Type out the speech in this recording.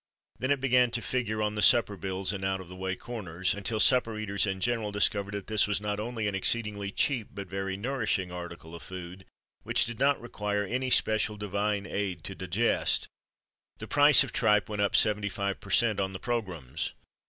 Then it began to figure on the supper bills, in out of the way corners; until supper eaters in general discovered that this was not only an exceedingly cheap, but a very nourishing article of food, which did not require any special divine aid to digest. Then the price of tripe went up 75 per cent on the programmes.